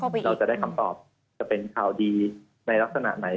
เราจะได้คำตอบจะเป็นข่าวดีในลักษณะไหน